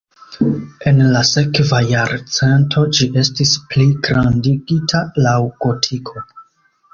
En la sekva jarcento ĝi estis pligrandigita laŭ gotiko.